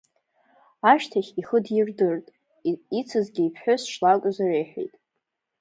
Ашьҭахь ихы дирдырт, ицызгьы иԥҳәыс шлакәыз реиҳәеит.